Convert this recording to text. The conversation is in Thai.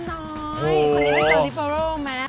คนนี้เป็นเจอร์ลิเบอร์โรแมน